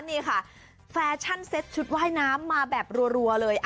นี่ค่ะแฟชั่นเซ็ตชุดว่ายน้ำมาแบบรัวเลย